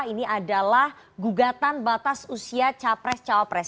ini adalah gugatan batas usia capres cawapres